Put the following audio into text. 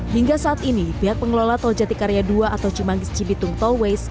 hingga saat ini pihak pengelola tol jatikarya dua atau cimanggis cibitung tollways